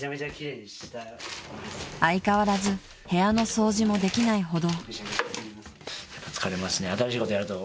［相変わらず部屋の掃除もできないほど］